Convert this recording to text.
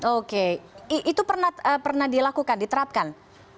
oke itu pernah dilakukan diterapkan